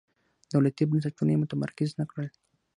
دولتي بنسټونه یې متمرکز نه کړل.